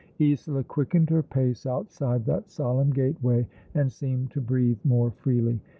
Isola quickened her pace outside that solemn gateway, and seemed to breathe more freely.